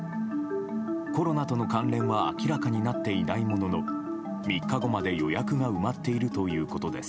コロナとの関連は明らかになっていないものの３日後まで予約が埋まっているということです。